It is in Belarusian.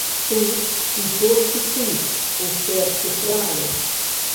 Тут і толькі тут, у сэрцы краю.